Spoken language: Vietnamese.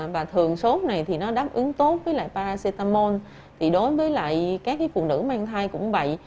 và thường sốt này đáp ứng tốt với paracetamol đối với các phụ nữ mang thai cũng vậy